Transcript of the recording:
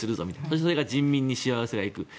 それは人民にしわ寄せがいく。